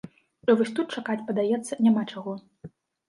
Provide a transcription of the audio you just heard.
І вось тут чакаць, падаецца, няма чаго.